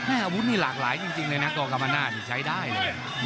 อาวุธนี่หลากหลายจริงเลยนะกองกรรมนาศนี่ใช้ได้เลย